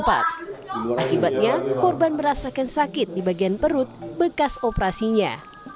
akibatnya korban merasakan sakit di bagian perut bekas operasinya